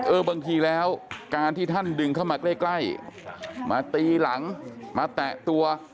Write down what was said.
บางทีแล้วการที่ท่านดึงเข้ามาใกล้มาตีหลังมาแตะตัว